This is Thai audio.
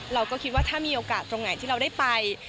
เราก็คิดว่าถ้ามีโอกาสตรงไหนที่เราได้ไป